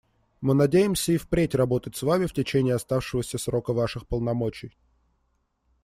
Мы надеемся и впредь работать с Вами в течение оставшегося срока Ваших полномочий.